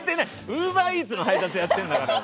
ウーバーイーツの配達やってるんだから。